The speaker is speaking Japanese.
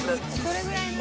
それぐらいなら。